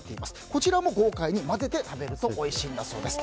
こちらも豪快に混ぜて食べるとおいしいんだそうです。